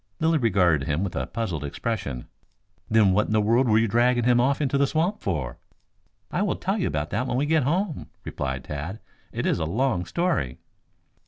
Lilly regarded him with a puzzled expression. "Then what in the world were you dragging him off into the swamp for?" "I will tell you about that when we get home," replied Tad. "It is a long story."